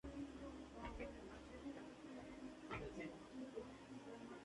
El material eyectado de Biela cubre la parte noroeste de su plataforma interior.